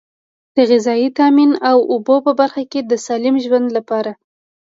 د غذایي تامین او اوبو په برخه کې د سالم ژوند لپاره.